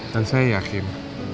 dan saya yakin